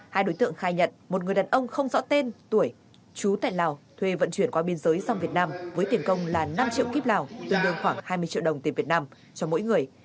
hai đối tượng khai nhận một người đàn ông không rõ tên tuổi chú tại lào thuê vận chuyển qua biên giới sang việt nam với tiền công là năm triệu kiếp lào tương đương khoảng hai mươi triệu đồng tiền việt nam cho mỗi người